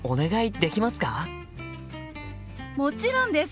もちろんです！